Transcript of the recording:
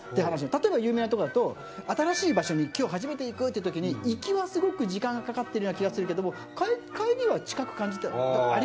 例えば有名なとこだと新しい場所に今日初めて行くっていうときに行きはすごく時間がかかってるような気がするけども帰りは近く感じたり。